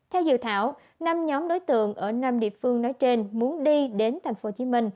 theo dự thảo năm nhóm đối tượng ở năm địa phương nói trên muốn đi đến tp hcm